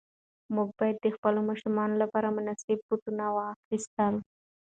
موږ باید د خپلو ماشومانو لپاره مناسب بوټان واخیستل.